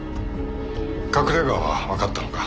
隠れ家はわかったのか？